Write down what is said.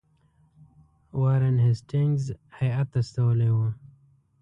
وارن هیسټینګز هیات استولی وو.